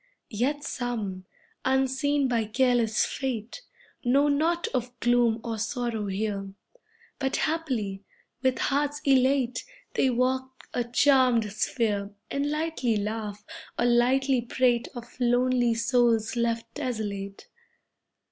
Yet some, unseen by careless Fate, Know naught of gloom or sorrow here. But happily, with hearts elate, They walk a charmed sphere, And lightly laugh, or lightly prate Of lonely souls left desolate.